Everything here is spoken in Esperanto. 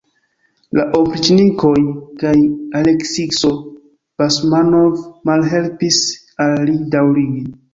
La opriĉnikoj kaj Aleksiso Basmanov malhelpis al li daŭrigi.